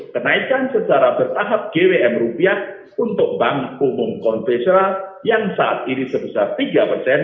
kenaikan secara bertahap gwm rupiah untuk bank umum konvensional yang saat ini sebesar tiga persen